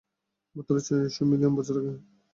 মাত্র ছয়শ মিলিয়ন বছর আগে।